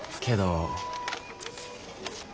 けど。